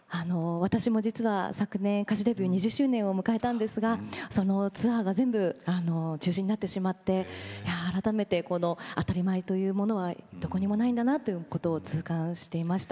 私も実は昨年歌手デビュー２０周年を迎えたんですがそのツアーが全部中止になってしまって改めて、当たり前というのはどこにもないんだなっていうのを痛感していました。